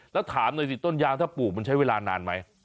แล้วถามหน่อยสิต้นยางถ้าปลูกมันใช้เวลานานไหม